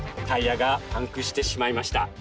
タイヤがパンクしてしまいました。